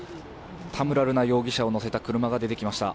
田村瑠奈容疑者を乗せた車が出てきました。